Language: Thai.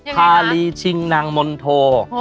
ภาลีชิงนังมนโธ